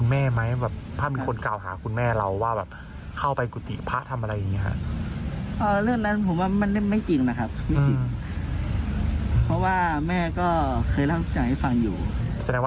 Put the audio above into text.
แสดงว่าเรื่องนี้ก็คือรู้มานานแล้วอะครับ